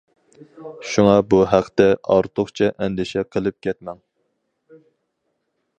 شۇڭا بۇ ھەقتە ئارتۇقچە ئەندىشە قىلىپ كەتمەڭ!